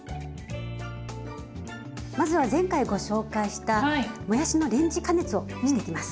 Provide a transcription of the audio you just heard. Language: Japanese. まずは前回ご紹介したもやしのレンジ加熱をしていきます。